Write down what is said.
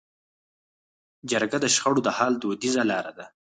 جرګه د شخړو د حل دودیزه لاره ده.